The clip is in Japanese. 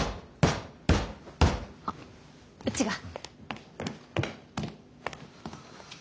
あっうちが。